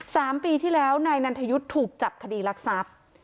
สามปีที่แล้วนายนันทยุทธ์ถูกจับคดีรักทรัพย์